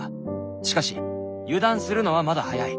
しかし油断するのはまだ早い。